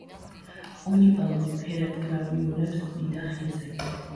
უნიკალურ ფერად გრავიურებს ქმნიდა ხეზე.